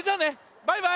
バイバーイ！